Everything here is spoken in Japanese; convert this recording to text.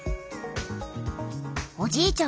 おじいちゃん